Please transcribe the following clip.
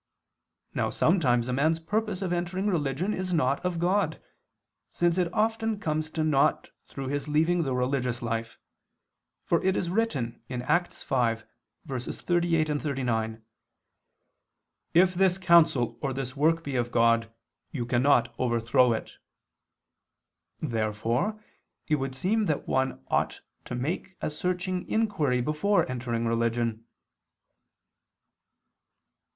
Now sometimes a man's purpose of entering religion is not of God, since it often comes to naught through his leaving the religious life; for it is written (Acts 5:38, 39): "If this counsel or this work be of God, you cannot overthrow it." Therefore it would seem that one ought to make a searching inquiry before entering religion.